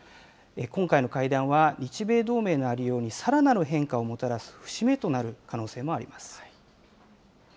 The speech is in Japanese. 今回の会談は、日米同盟のありようにさらなる変化をもたらす節目となる可能性もあります。